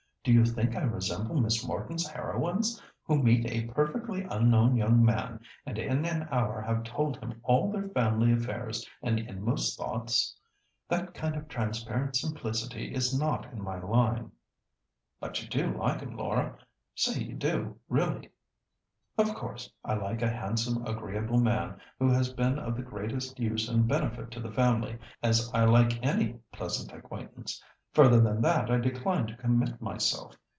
Do you think I resemble Miss Morton's heroines, who meet a perfectly unknown young man, and in an hour have told him all their family affairs and inmost thoughts? That kind of transparent simplicity is not in my line." "But you do like him, Laura. Say you do really." "Of course I like a handsome, agreeable man who has been of the greatest use and benefit to the family, as I like any pleasant acquaintance. Further than that I decline to commit myself.